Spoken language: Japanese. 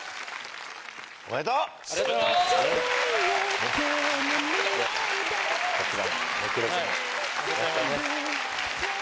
ありがとうございます。